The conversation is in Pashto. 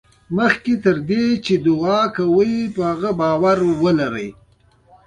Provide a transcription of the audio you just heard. مخکې له دې چې دعا وکړې په هغې باور ولرئ.